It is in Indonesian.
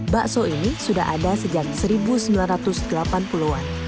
bakso ini sudah ada sejak seribu sembilan ratus delapan puluh an